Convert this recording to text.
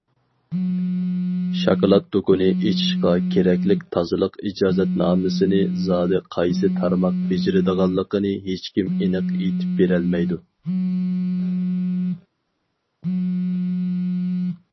شاكىلات دۇكىنى ئېچىشقا كېرەكلىك تازىلىق ئىجازەتنامىسىنى زادى قايسى تارماق بېجىرىدىغانلىقىنى ھېچكىم ئېنىق ئېيتىپ بېرەلمەيدۇ.